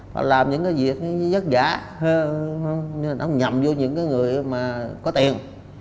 họ làm những cái việc rất giả hổng nhầm vô những người mà có tiền